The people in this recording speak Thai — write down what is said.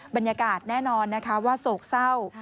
บรรยากาศแน่นอนนะคะว่าโศกเศร้า